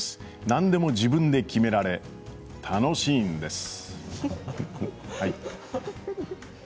何でも自分で決められ楽しいんです！